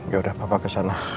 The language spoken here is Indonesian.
yaudah papa kesana